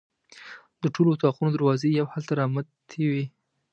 د ټولو اطاقونو دروازې یو حال ته رامتې وې.